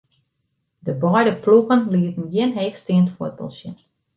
De beide ploegen lieten gjin heechsteand fuotbal sjen.